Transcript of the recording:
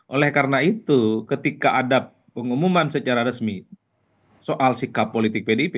oleh karena itu ketika ada pengumuman secara resmi soal sikap politik pdip